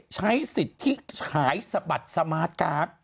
ใช้สิทธิฉายสะบัดสมาร์ทการ์ด